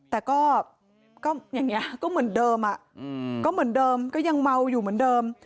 แต่ก็เหมือนเดิมก็ยังเมาอยู่เหมือนเดิม